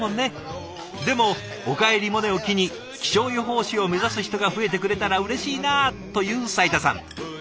でも「おかえりモネ」を機に気象予報士を目指す人が増えてくれたらうれしいなという斉田さん。